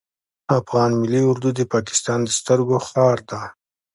افغان ملی اردو د پاکستان د سترګو خار ده